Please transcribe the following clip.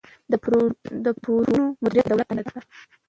د پورونو مدیریت د دولت دنده ده.